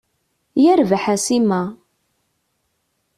Yarbaḥ a Sima!